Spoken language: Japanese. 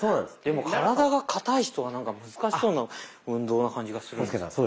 でも体がかたい人はなんか難しそうな運動な感じがするんですけど。